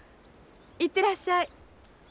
行ってらっしゃい。